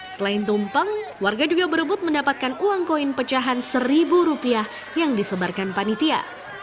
selain tumpeng warga juga berebut mendapatkan uang koin pecahan seribu rupiah yang disebarkan panitia